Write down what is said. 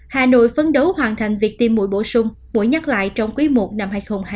hà nội phấn đấu hoàn thành việc tiêm mũi bổ sung mũi nhắc lại trong quý i năm hai nghìn hai mươi bốn